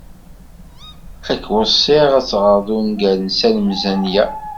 Ad k-weṣṣiɣ ad teɣreḍ ungal n Salem Zenya.